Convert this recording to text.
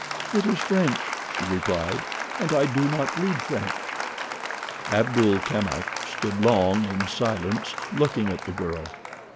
"It is French," she replied, "and I do not read French." Abdul Kamak stood long in silence looking at the girl.